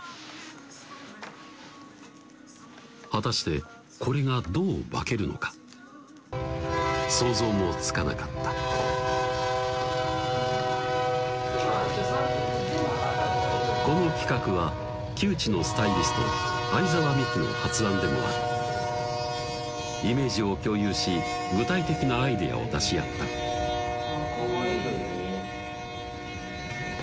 果たしてこれがどう化けるのか想像もつかなかったこの企画は旧知のスタイリスト相澤樹の発案でもあるイメージを共有し具体的なアイデアを出し合ったあっかわいいね